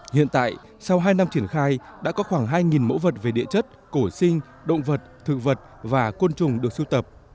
hiện tại sau hai năm triển khai đã có khoảng hai mẫu vật về địa chất cổ sinh động vật thực vật và côn trùng được sưu tập